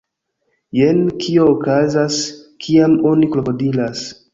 Jen kio okazas, kiam oni krokodilas